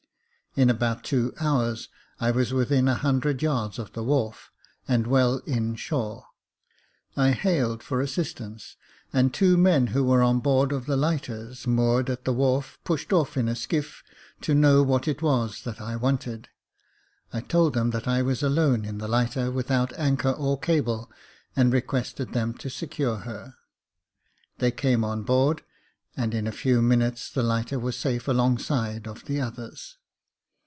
In about two hours I was within a hundred yards of the wharf and well in shore. I hailed for assistance, and two men who were on board of the lighters moored at the wharf pushed off in a skiff to know what it was that I wanted. I told them that I was alone in the lighter, without anchor or cable, and requested them to secure her. They came on board, and in a few minutes the lighter was safe alongside of the others.